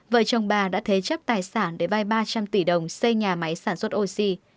vợ chồng bà đã thế chấp tài sản để vai ba trăm linh tỷ đồng xây nhà máy sản xuất oxy